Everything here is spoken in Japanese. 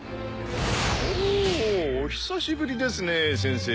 おお。お久しぶりですね先生。